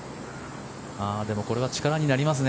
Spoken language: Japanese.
これは力になりますね。